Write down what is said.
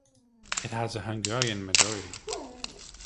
It has a Hungarian majority.